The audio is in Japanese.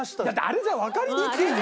あれじゃわかりにくいの。